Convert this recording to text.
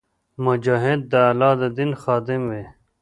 مجاهد د الله د دین خادم وي.